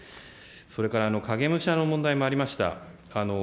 それから影武者の問題もありました。